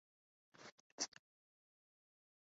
Shoaib Mansoor Pakistani film industry